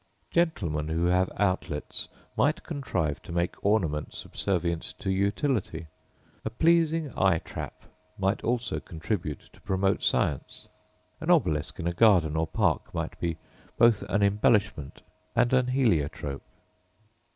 Gentlemen who have outlets might contrive to make ornament subservient to utility; a pleasing eye trap might also contribute to promote science: an obelisk in a garden or park might be both an embellishment and an heliotrope.